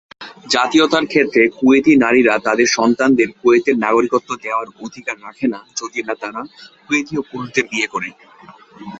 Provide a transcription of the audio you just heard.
জাতীয়তার ক্ষেত্রে, কুয়েতি নারীরা তাদের সন্তানদের কুয়েতের নাগরিকত্ব দেওয়ার অধিকার রাখে না যদি না তারা কুয়েতীয় পুরুষদের বিয়ে করে।